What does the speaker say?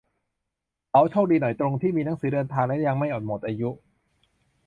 เขา "โชคดี" หน่อยตรงที่มีหนังสือเดินทางและยังไม่หมดอายุ